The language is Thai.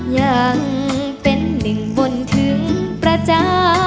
ยังเป็นหนึ่งบนถึงประจา